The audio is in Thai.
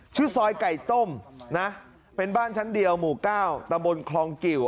ชื่อซอยไก่ต้มนะเป็นบ้านชั้นเดียวหมู่เก้าตะบนคลองกิว